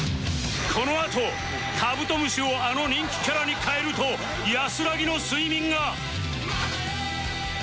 このあとカブトムシをあの人気キャラに変えると安らぎの睡眠が！